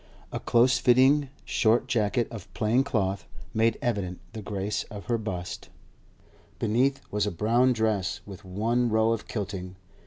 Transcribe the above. A close fitting, short jacket of plain cloth made evident the grace of her bust; beneath was a brown dress with one row of kilting.